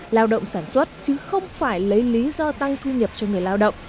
lao động sản xuất chứ không phải lấy lý do tăng thu nhập cho người lao động